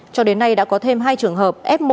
cho đến nay đã có thêm hai trường hợp f một